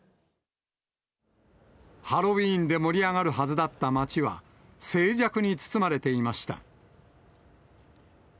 ハロウィーンで盛り上がるはずだった街は、静寂に包まれていました。